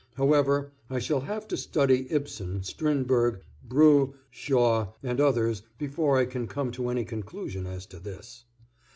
However, I shall have to study Ibsen, Strindberg, Brieux, Shaw, and others before I can come to any conclusion as to this.